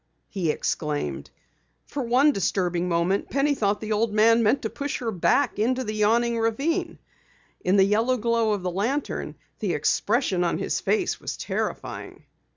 he exclaimed. For one disturbing moment Penny thought the old man meant to push her back down into the yawning ravine. In the yellow glow of the lantern, the expression of his face was terrifying.